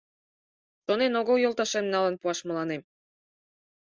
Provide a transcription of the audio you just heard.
Шонен огыл йолташем налын пуаш мыланем